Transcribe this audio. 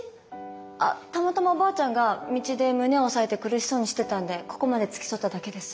あったまたまおばあちゃんが道で胸を押さえて苦しそうにしてたんでここまで付き添っただけです。